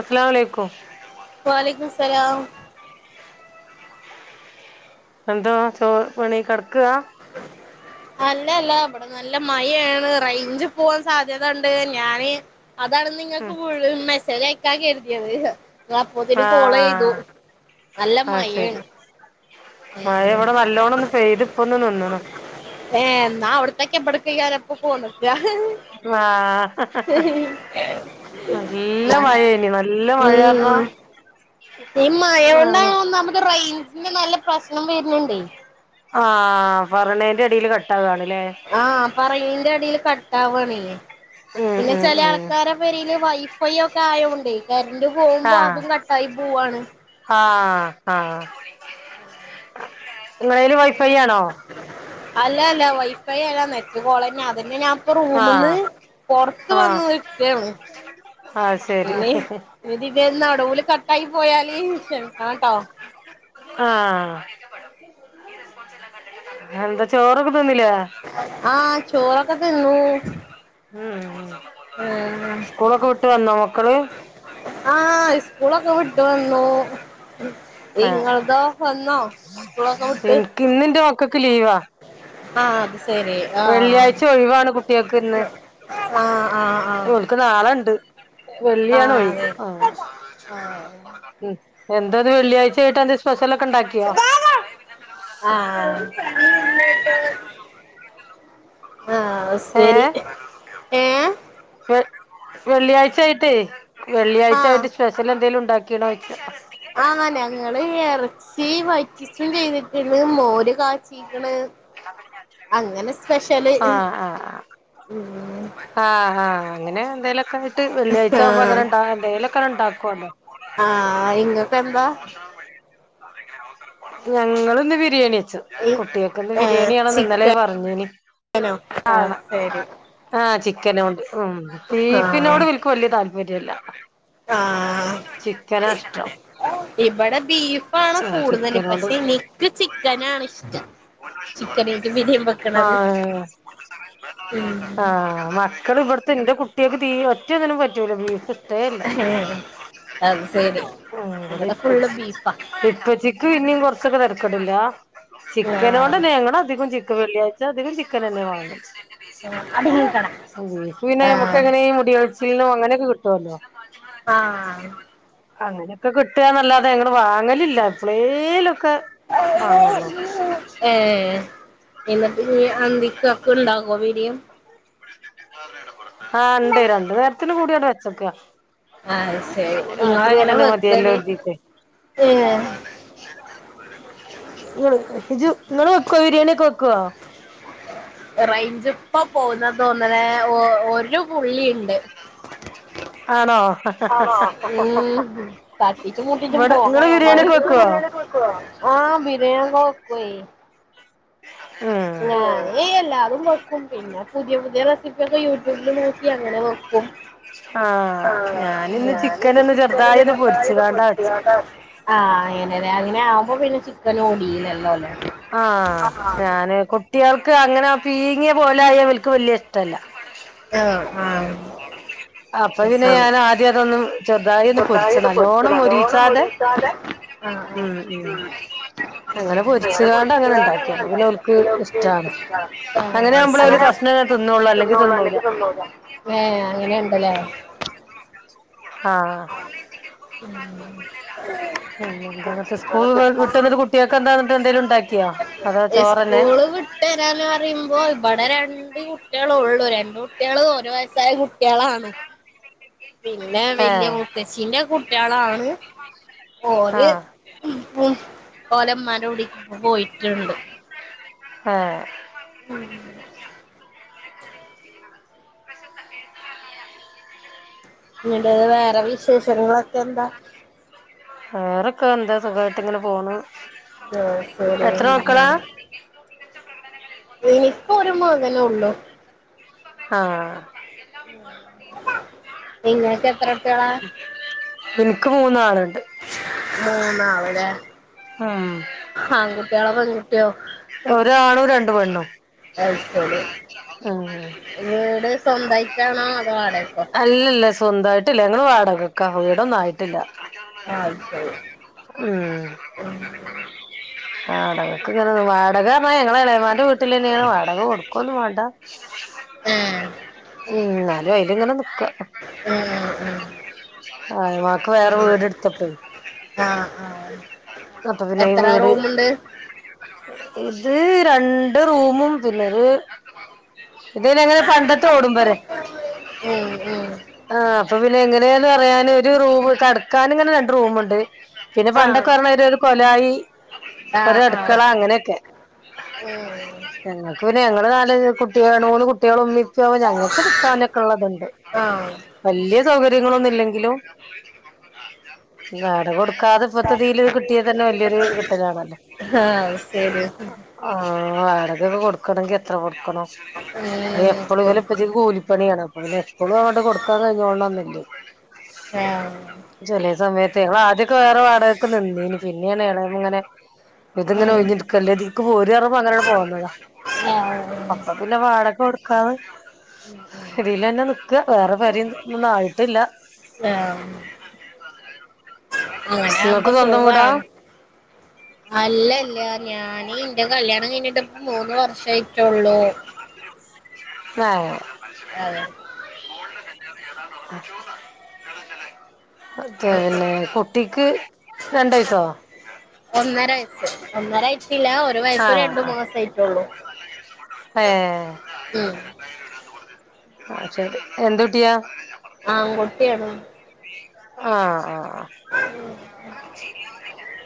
Us ലാമലൈക്കും. വ അലൈക്കും സലാം. [inaudible] എന്തോ, ചോ പണി കെട്ക്കാ. അല്ല അല്ല ഇബടെ നല്ല മഴയാണ് റൈഞ്ച്പോവാൻ സാധ്യതണ്ട് ഞാന് അതാണ് നിങ്ങക്ക് ഉം [unintelligible] മെസ്സേജ് അയക്കാ കർതിയത് ഞാ അപ്പോത്തേനും കോളെയ്തു. ആഹ് നല്ല ആഹ് ആഹ് ശരി മയേണ്. മഴ വടെ നല്ലോണൊന്ന് പെയ്ത് പ്പൊന്ന്നിന്ന്ണ്. ഏ എന്നാ അവ്ട്ത്തേക്കെ [unintelligible] [unintelligible] കാരം പ്പൊ പോന്ന്ക്കാ. ആഹ്, ഹ ഹ ഹ നല്ല മഴേനി. നല്ല മഴാർന്നാ ഉം ഈ മഴകൊണ്ടാണ് നമ്മുക്ക് റെയ്ഞ്ചിന്റെ നല്ല പ്രശ്നം വര്ണ് ണ്ടെയ്. ആഹ്, പറണേന്റെടീല് കട്ടാകാണ്ലേ. ആഹ്, പറയീന്റെടീല് കട്ടാവാണീ. [unintelligible] പിന്നെ ചെല ഉം ആൾക്കാരെ പെരേല് വൈഫൈ ഒക്കെ ആയോണ്ടെയ് കര്ന്റ് പോവുമ്പോ അതും കട്ടായി പോവാണ്. ആഹ്, ആഹ്, ആഹ്, ങ്ങളേല് വൈഫൈ ആണോ? അല്ല അല്ല വൈഫൈ എല്ലാന്നെ മോളെ ഞാൻ അതന്നെ ഞാൻ ഇപ്പ റൂമ്ന്ന് ആഹ് പൊർത്ത് വന്ന് നിക്കാണ് ആഹ് ശരി [unintelligible] നടൂല് കട്ടായി പോയാല് ക്ഷമിക്കണട്ടോ ആഹ് എന്താ ചോറൊക്കെ തിന്നില്ലേ ആഹ് ചോറൊക്കെ തിന്നൂ ഉം ആഹ് സ്കൂളൊക്കെ വിട്ട് വന്നോ മക്കള് ആഹ് സ്കൂളൊക്കെ വിട്ട് വന്നു ആ ഇങ്ങളതോ വന്നോ സ്കൂളൊക്കെ വിട്ട് ഇന്നെന്റെ മക്കക്ക് ലീവാ ആഹ് അത് ശരി ആഹ് വെള്ളിയാഴ്ച ഒഴിവാണ് കുട്ടികൾക്ക് ആഹ് ആഹ് ആഹ് ക്ക് നാളേയുണ്ട് വെള്ളിയാണ് ആഹ് ഒഴിവ് അതെ ആ ആഹ് ഉം എന്താത് വെള്ളിയാഴ്ച ആയിട്ടന്ത് സ്പെഷ്യല ഒക്കെ ഉണ്ടാക്കിയാ ആഹ് ആഹ് ആ ഏ ശരി ഏ വെ വെള്ളിയാഴ്ചായിട്ട് ആ വെള്ളിയാഴ്ചായിട്ട് സ്പ ഷ്യൽ എന്തെങ്കിലും ഉണ്ടാക്കിയണോ വെക്കും ആഹ് ഞങ്ങള് ഇറച്ചി വറ്റിച്ചും ചെയ്തിട്ടിണ്ട് മോര് കാച്ചി ക്ക്ണ് അങ്ങനെ സ്പെഷ്യല് ആഹ് ആഹ് ഉം ആഹ് ആഹ് ഹ അങ്ങനെ എന്തേലൊക്കെ ട്ട് ആ വെള്ളിയാഴ്ചക്മ്പൊ അങ്ങനെണ്ട എന്തേലുംക്കെണ്ടാക്കോലോ ആ അടിച്ച് കേറും ഇങ്ങക്ക് എന്താ പ്രതിക്ഷ മോശവാൻ പാടില്ല ഞങ്ങളിന്ന് ബിരിയാണിച്ച ഏ കുട്ടികക്കിന്ന്ബിരിയാണിയന്നെന്ന് ഇന്നലെ ചിക്കൻ പറഞ്നി ആ ആണ ശരി ആഹ് ചിക്കന കൊണ്ട് ഉം ആ ബീഫിനോട് വല്യ ക്ക് വല്യ താല്പര്യല്ല ആ ചിക്കനഷ്ടം ഇവിടെ ബീഫാണ് കൂടുതൽ ചിക്കനോട് പക്ഷെ എനിക്ക് ചിക്കനണ് ഇഷ്ടം ചിക്കനായിട്ട് ബിരിയാണി വെക്കണത് ആഹ് ഉം ആഹ് മക്കള് ഇവിടുത്തെ ന്റെ കുട്ടിയക്ക് തീ ഒറ്റന്നിനും പറ്റൂലോ ബീഫ അത് സെരി ഇവിടെ ഫുള്ള് ബീഫാ ഇപ്പൊ ച്ചിക്ക് ചിക്ക പിന്നും കൊറച്ചൊക്കെ തിരക്കട്ടില്ല ചിക്കന ആഹ് കൊണ്ട് നങ്ങള് അധികം ചിക്കൻ വെള്ളിയാഴ്ച ച്ചതികം ചിക്കനന്ന വങ്ങാ അടങ്ങിക്കണ ഓഹ് ക്ക്പിന്നെ [unintelligible] ആഹ് ക്കെങ്ങനെ മുടിയൊഴിച്ചില്നോ അങ്ങനെയൊക്കെ കിട്ടോല്ലോ ആഹ് അങ്ങനെയൊക്കെ കിട്ടുകന്നല്ലാതെ ങ്ങൾ വാങ്ങലില്ല എപ്പളേലൊക്കെ ആങ്ങോള്ളോ ഏഹ് എന്നിട്ട് അന്തിക്കക്കെണ്ടാകുവ ബിരിയാം ആണ്ടെ രണ്ട് നേരത്തിന് കൂടിയോടെ വെച്ചക്ക അഹ് ശരി നിങ്ങ എങ്ങനെ മതിയല്ലോ വെക്കല് കരുതീട്ടെ ഏഹ് ഇങ്ങള് ഇജ്ജ് ഇങ്ങള് വെക്കുവോ ബിരിയാണിഒക്കെ വയ്ക്കോ റൈഞ്ച് ഇപ്പൊ പോകുന്നതോന്നനെ ഒരു പുള്ളിണ്ട് ആണോ ആണോ ഉം തട്ടിച്ചും മുട്ടിച്ചും ഇവിടെ നിങ്ങള് പോങ്ങരു ബിരിയാണിയൊക്കെ വെക്കുവോ [unintelligible] ആഹ് ബിനെ കോക്വെ ഞാന് എല്ലാതും വെക്കും പിന്നെ പുതിയ പുതിയ റെ ഒക്കെ യൂട്യൂബിൽ നോക്കി അങ്ങനെ വെക്കും ആഹ് ആഹ് ഞാനിന്ന് ചിക്കനൊന്ന് ചെറുതായി ചിക്കനിന്ന് ഒന്ന് രണ്ടായിട്ട് പൊരിച്ചുകാണ്ടാ പൊര്ച് വെച്ച് [unintelligible] ആഹ് അങ്ങനെ അങ്ങനെ ആവ്പ പിന്നെ ചിക്കന ഒടിലല്ലോല്ലേ ആഹ് ഞാന് കുട് കുട്ടികൾക്ക് അങ്ങനെ പീങ്ങിയ പോലെ ആയ അവർക്ക് വലിയ ഇഷ്ടല്ല ആഹ് ആഹ് അപ്പൊ അത് പിന്നെ ശരി ഞാൻ ആദ്യ അതൊന്നും ചെറുതായി ഒന്ന് പൊരിച്ച് നല്ലോണം മുരിച്ചാതെ ആഹ് ഉം ആഹ് ഉം അങ്ങനെ പൊരിച് ാണ്ട് അങ്ങനെ പൊരിച്ചുകാണ്ട് ഉണ്ടാക്കിയ അതില് ഇണ്ടാക്കാ അവർക്ക് അത് ഓൽക്ക് ഇഷ്ടമാണ് ഇഷ്ടാണ് ഏഹ് അങ്ങനെ ആവുമ്പോഴ അവ കസ്ന തിന്നുള്ളൂ അല്ലെങ്കിൽ തിന്നൂല തിന്നുല ഏഹ് അങ്ങനെണ്ടല്ലേ [unintelligible] ആഹ് ഉം ഉം സ്കൂൾ വിട്ട്ന്നിട്ടരു കുട്ടിയൊക്കെ എന്താട്ട് എന്തെലും ഉണ്ടാക്കിയോ അതോ ചോറന്നെ കുട്ടരാന്ന് പറിമ്പോ ഇബടെ രണ്ട് കുട്ട്യാള്ളൊള്ളൂ രണ്ട് കുട്ടികൾ ഓര് വയസ്സായ കുട്ടികളാണ് പിന്നെ വല്യ ഏഹ് മുത്തച്ചിന്റെ കുട്ടികാളാണ് ഓല് ആഹ് ഓലമാന്റെ കുടിക്ക് പോയിട്ടുണ്ട് ആഹ് ഉം പി [inaudible] പ്രസത്ത കേ [unintelligible] [unintelligible] വേറെ വിശേഷങ്ങളൊക്കെ എന്താ വേറെക്കെ എന്ത്‌ സുഖായിട്ടിങ്ങനെ പോണ് ആഹ് ശരി എത്ര മക്കളാ ഏറ്റവും മികച്ച പ്രകടനങ്ങളിൽ. ഇന്ക്കൊരു മകനൊള്ളു ആഹ് നിങ്ങക്ക് എത്ര കുട്ട്യോളാ ഇൻക്ക് മൂന്നാള്ണ്ട് മൂന്നാള്ല്ലെ ഉം ആൺകുട്ടികളോ പെൺകുട്ട്യോ, ഒരാണും രണ്ട് പെണ്ണും അത് ശരി. ഉം വീട് സ്വന്തായിട്ടാണോ അതോ വാടകക്കോ. ഇല്ലില്ല സ്വന്തയിട്ടില്ല ഞങ്ങള് വാടകക്കാ വീടൊന്നായി ട്ടില്ല അത് ശരി ഉം ഏഹ് വാടകക്ക് ന്നറിഞ്ഞ വാടകന്ന് പറഞ്ഞാ ഞങളെ എളെമാന്റെ വീട്ടിലെന്നെണ് വാടക കൊട് ഒന്നും വേണ്ട ഏഹ് ഉം എന്നാലും അയിലിങ്ങനെ നിക്കാ ഏഹ് എളെമാക്ക് വേറെ അങ്ങനെ വീട് എടുത്തപ്പെ ആഹ് ആഹ് മൊത്തത്തിലീ എത്ര വീട്. റൂമുണ്ട് ഇത് രണ്ട് റൂമും പിന്നൊര് ഇത്പിന്നങ്ങനെ പണ്ടത്ത ഓടുമ്പെരെ ഉം ഉം ആഹ് അപ്പ പി എങ്ങനേന്ന് പറയാന് ഒര് റൂമ് കെടക്കാൻ ഇങ്ങനെ രണ്ട് റൂമിണ്ട് പിന്നെ പണ്ട ആഹ് ത്തോരോരു കൊലായി ഒരു ആഹ് ആഹ് അടുക്കള അങ്ങനേക്കെ ഉം ഞങ്ങക്ക് പിന്നെ ഞങ്ങള് നാല് കുട്ടികള് മൂന്ന് കുട്ടികളും ഉമ്മി. [unintelligible] ഞങ്ങക്ക് നിക്കാനൊക്കെ ഇള്ളതെണ്ട്. ആഹ് വല്യ സൗകര്യങ്ങളൊന്നു ഇല്ലെങ്കിലും വാടക കൊടുക്കാതെ ദ്ധതില് കിട്ടിയതന്നെ വലിയൊരു കിട്ടലാണല്ലെ ആഹ് ശരി ഉം ആ വാടകക്കെ കൊടുക്കണെങ്കി എത്ര കൊടുക്കണം ആഹ് ഉം അതെപ്പളോല് ഉപ്പച്ചിക്ക് കൂലിപ്പണിയാണ് അപ്പ പിന്നെ എപ്പളും അങ്ങട്ട് കൊടുക്കാൻ കഴിഞ്ഞോളണംന്നില്ലേ ആഹ് ചെലേ സമയത്തേ ഞങ്ങൾ ആദ്യക്ക വേറെ വാടക നിന്നീന് പിന്നേണ് എളേമ്മ ഇങ്ങനെ ഇത്ങ്ങനെ ഉം ഒഴിഞ്ഞിരിക്കല്ലേ ഇത്ക്ക് പോര്ന്ന് പറഞ്ഞപ്പോ അങ്ങനാണ്ട് പോന്നതാ അപ്പ പിന്നെ വാടക കൊടുക്കാതെ ഉം ഇതീലന്നെ നിക്കാ വേറെ പെരേം ഒന്നും ആയിട്ടില്ല. ആഹ് അങ്ങനെ ആവുമ്പ ഇങ്ങക്ക് സ്വന്തം വീടാ സുഖാണ്. അല്ലല്ല ഞാന് ഇന്റെ കല്യാണം കഴിഞ്ഞിട്ട് ഇപ്പ മൂന്ന് വർഷായിട്ടുള്ളൂ ഉ [unintelligible] അതെ മോളില കല്യാണം ഏതാണ്ടുറപ്പിച്ചു, ചെല്ലേ ചെല്ലേ ഓക്കെ പിന്നെ കുട്ടിക്ക് രണ്ട് വയസോ ഒന്നര വയസ്സ് ഒന്നര ആയിട്ടില്ല ഒരു വയസ്സ് ആഹ് രണ്ടു ആഹ് മാസായിട്ടുള്ളൂ. ഏഹ് ഉം ആഹ് ശരി എന്ത്‌ കുട്ടിയാ. ആൺ കുട്ടിയാണ്. ആഹ് ആഹ്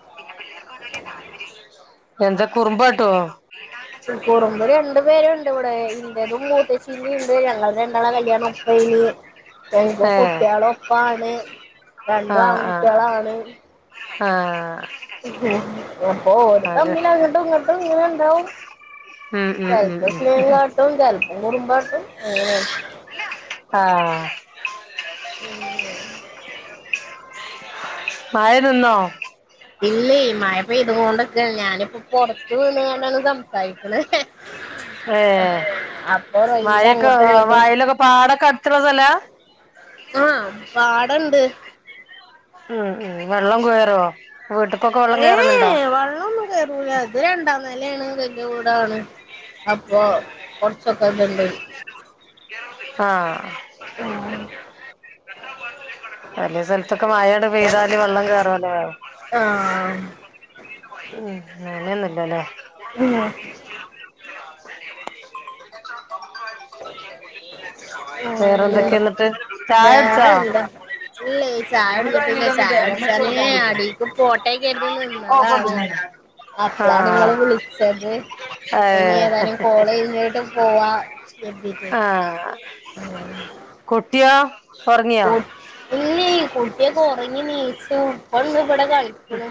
[unintelligible] എന്ത കുറുമ്പ്കാട്ടോ. കുറുമ്പ് രണ്ടു പേരുണ്ട് ഇവിടെ ഇന്റേതും മൂത്തച്ചീന്റിം ഇണ്ട് ഞങ്ങൾടെ രണ്ടാളേം കല്യാണം [inaudible] രണ്ടു ഏ കുട്ടിയള് ഒപ്പാണ് രണ്ടും ആഹ് ആഹ് ആൺകുട്ടിയാളാണ്. ആഹ് അപ്പൊ അല് ഓര്തമ്മിലങ്ങട്ടും ഇങ്ങട്ടും ഇങ്ങനണ്ടാവും. ഉം ഉം ഉം ചെൽപ്പ ഉം ഉം സ്നേഹങ്കാട്ടും ചെൽപ്പ കുറുമ്പാട്ടും [unintelligible] അലോ ആഹ്. [unintelligible] മഴ നിന്നോ? ഇല്ലെയ് മഴ പെയ്തോണ്ട് നിക്കാണ് ഞാനിപ്പോ. പൊർത്ത് നിന്ന് കാണ്ടാണ് സംസാരിക്കുന്നത്. ഏ ഏഹ് അപ്പൊ റേഞ്ച് മഴൊക്കെ അങ്ങോട്ടും ഇങ്ങോട്ടും [unintelligible] [unintelligible] ആഹ് പാടണ്ട്. ഉമ് ഉമ് വെള്ളം കെറോ വീട്ട് കൊക്കെ വെള്ളം കേറലുണ്ടോ? കെറൂല ഇത് രണ്ടാ നില്ല യാണ് വല്യ വീടാണ് അപ്പൊ. കുറച്ചൊക്കെ ഇത്ണ്ട്. ആഹ് [unintelligible] ചേലെ സൽതൊക്കെ മഴെട പെയ്താല് വെള്ളം കേറുല്ലെ. ആഹ് ഉമ് [unintelligible] ഉമ് വേറെന്തെക്കെ ന്നിട്ട് ചായടിച്ചോ? ഇല്ലെ ചായൊടിച്ചിട്ടില്ല ചായൊടിച്ചാന് അടിക്ക് പോട്ടെ കരുതി നിന്നതാണ്. അപ്പളാ ആഹ് നിങ്ങള് വിളിച്ചത്. ഏ ഇനി ഏതായാനും കോളഴിഞ്ഞിട്ട് പോവാ. കരുതീട്ട് ആഹ് കുട്ടിയോ ഒറങ്ങിയോ? ഇല്ലെയ് കുട്ടിയക്ക ഒറങ്ങിനീച്ചു ഇപ്പ ണ്ട് ഇവിടെ കളിച്ച് ണ്.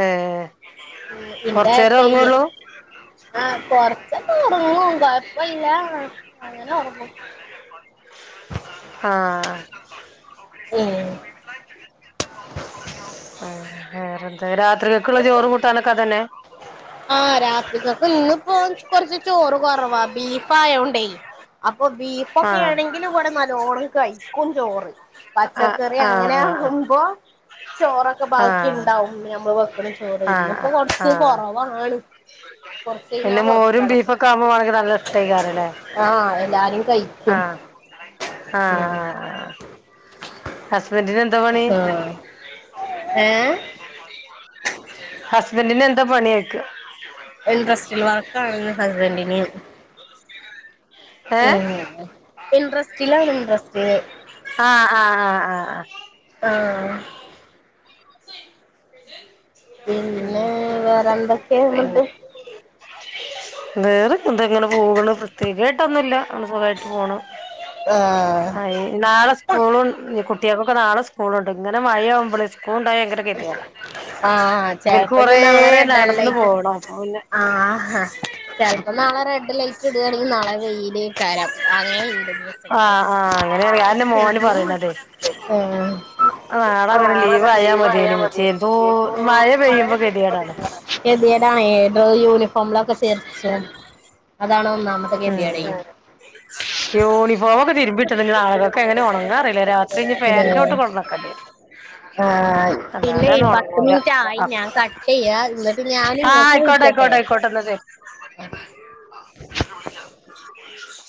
ഏഹ് കൊറച്ചേരം ഒറങ്ങുള്ളൂ. ആഹ് കൊറച്ചക്ക ഒറങ്ങും കൊഴപ്പല്ല. അങ്ങനെ ഒറങ്ങും ആഹ് ഉം ഉമ് ആഹ് രാത്രിക്കെ ക്കുള്ള ചോറ് കൂട്ടാനൊക്കെതന്നെ. ആഹ് രാത്രിക്കക്ക് ഇന്ന് പോ കൊറച്ച് ചോറ് കുറവാ ബീഫ് ആയോണ്ടെ അപ്പൊ ആ ബീഫൊക്കെ ആണെങ്കിലും ഇവിടെ നല്ലോണ്ണം കഴിക്കും ചോറ്. ആ പച്ചക്കറി ആ അങ്ങനെ ആ ആകുമ്പോ. ചോറൊക്കെ ആ ബാക്കി ഇണ്ടാവും നമ്മള് വെക്ക്ണ ചോറ് ആ ഇന്ന് ആ ഇപ്പൊ ആ കൊറച്ച് കൊറ പിന്നെ മോരും വെക്കണം ബീഫൊക്കെ ആവുമ്പോ വാണങ്കി നല്ല ഇഷ്ടേക്കാരും ലെ. ആ എല്ലാരും കഴിക്കും ആഹ് ആഹ് ഉം ആഹ് ഹസ്ബന്റിനെന്താ പണി? ആഹ് ഏഹ് ഹസ്ബന്റിന് എന്താ പണി ചോയിക്കാ? ഇൻട്രസ്റ്റൽ വർക്കാണ് ഹസ്ബന്റിന് ഏ ഉമ് ഇൻട്രസ്റ്റ്ലാണ് ഇൻട്രസ്റ്റിൽ. ആ ആ ആ ആ ആ ആഹ് [unintelligible] ഉം പിന്നെ വേറെ പിന്നെ എന്തൊക്കെള്ളത്? [unintelligible] വേറെ എന്താ അങ്ങനെ പോക്ണ് പ്രത്യേകായിട്ടൊന്നുല്ല അങ്ങനെ സുഖമായിട്ട് പോണ്. ആഹ് നാളെ സ് സ്കൂളു കുട്ടിയാകൊക്കെ നാള സ്കൂളുണ്ട്. ഇങ്ങനെ മഴയാവുമ്പളെ സ്കൂള്ണ്ടായ ഭയങ്കരഗെതിയെട. ആഹ ചെൽപ്പോ ഇഞ്ഞ് നാളെ റെഡ് നടന്നു അലേർട്ട് പോണം അപ്പൊ പിന്നെ ആ ചെല് പ്പോം നാളെ റെഡ് ലൈറ്റ് ഇടണെങ്കി നാളെ വെയില് എക്കാരം അങ്ങനെ ഇണ്ട് ആഹ് ആഹ് അങ്ങനേണ് ഞാൻ എന്റെ മോന് പറയണതേ ആഹ് ആഹ് അത് ആ അങ്ങനെ ലീവ് നാളങ്ങനെ ആയി ലീവായാൽ [unintelligible] മച്ചേ മതിയായിരുന്നു എന്തോ മഴ പെയ്യുമ്പോ കെതിടാ ഗതിടാണ് ഏത് യൂണിഫോമിലൊക്കെ തർച്ചും അതാണ് നമ്മക്ക് ഗതികേട് [unintelligible] യൂണിഫോമ് ഒക്കെ തിരുമ്പി [unintelligible] ഇനി നാളെ അതൊക്കെ എങ്ങന ഓണങ്ങാ അറിയില്ല. രാത്രി ഇനി ഫാനിന്റെ മൂട്ടി കൊണ്ട് ഒണക്കേണ്ടി വരും ആ പിന്നെ അല്ലാതെ പത്ത് നോർങ്ങൂല മിനിറ്റ് ആയി ആഹ് ഞാൻ കട്ട് ചെയ്യാ എന്നിട്ട് ഞാൻ ഇങ്ങക്ക് ആയിക്കോട്ടെ വിളിക്കട്ടെ ആയിക്കോട്ടെ ആയിക്കോട്ടെ തന്നതെ [unintelligible] പിന്നെ വിളിക്കാം [unintelligible]